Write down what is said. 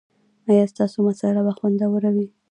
ایا ستاسو مصاله به خوندوره وي؟